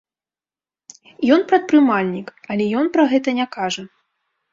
Ён прадпрымальнік, але ён пра гэта не кажа.